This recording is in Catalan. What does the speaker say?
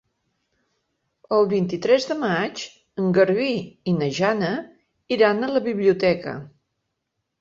El vint-i-tres de maig en Garbí i na Jana iran a la biblioteca.